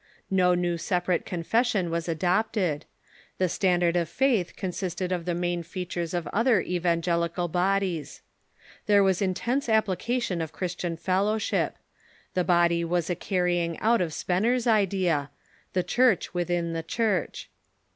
No new separate confession was adopted. The standard of faith consisted of the main features of other evangelical bod ies. There was intense application of Christian fellowship. The body was a carrying out of Spener's idea — the Church within the Church.